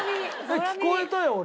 聞こえたよ俺。